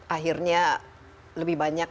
akhirnya lebih banyak